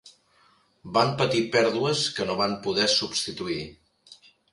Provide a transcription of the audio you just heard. Van patir pèrdues que no van poder substituir.